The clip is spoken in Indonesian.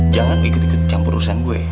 jangan ikut ikut campur urusan gue